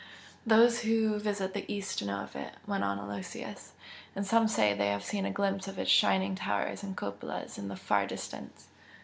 "Those who visit the East know of it" went on Aloysius "And some say they have seen a glimpse of its shining towers and cupolas in the far distance.